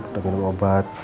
udah minum obat